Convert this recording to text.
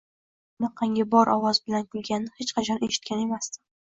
Uning bunaqangi bor ovoz bilan kulganini hech qachon eshitgan emasdim.